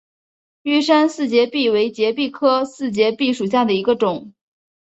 玉山四节蜱为节蜱科四节蜱属下的一个种。